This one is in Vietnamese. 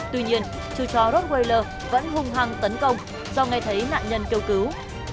tuy nhiên chú chó rottweiler vẫn hung hăng tấn công do nghe thấy nạn nhân kêu cứu